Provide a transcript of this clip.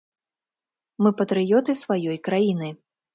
Мы патрыёты сваёй краіны.